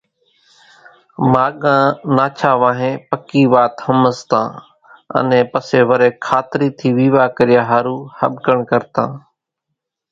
ماڳان ناڇا وانهين پڪِي وات ۿمزتان، انين پسيَ وريَ کاترِي ٿِي ويوا ڪريا ۿارُو ۿٻڪڻ ڪرتان۔